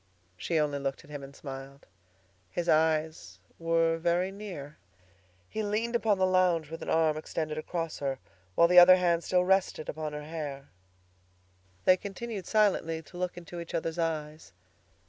She only looked at him and smiled. His eyes were very near. He leaned upon the lounge with an arm extended across her, while the other hand still rested upon her hair. They continued silently to look into each other's eyes.